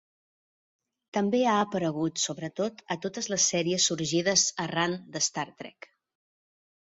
També ha aparegut, sobretot, a totes les sèries sorgides arran d'"Star Trek".